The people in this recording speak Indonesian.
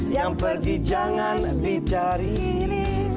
yang pergi jangan dicarin